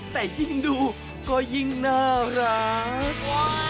แต่ยิ่งดูก็ยิ่งน่ารัก